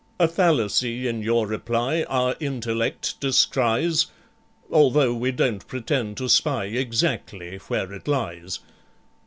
"A fallacy in your reply Our intellect descries, Although we don't pretend to spy Exactly where it lies.